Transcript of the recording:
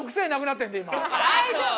大丈夫。